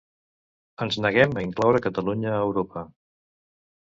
Ens neguem a incloure Catalunya a Europa.